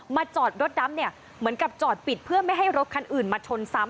จอดรถดำเนี่ยเหมือนกับจอดปิดเพื่อไม่ให้รถคันอื่นมาชนซ้ำ